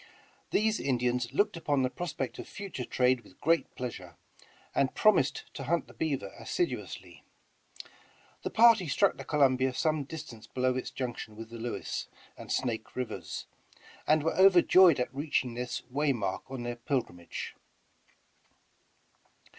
These Indians looked upon the prospect of future trade with great pleasure, and promised to hunt the beaver assiduously. The party struck the Colum bia some distance below its junction with the Lewis and 191 The Original John Jacob Astor Snake Rivers, and were overjoyed at reaching this way mark on their pilgrimage.